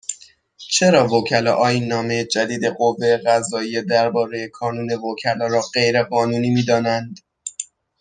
چرا وکلا آییننامه جدید قوه قضاییه درباره کانون وکلا را غیرقانونی میدانند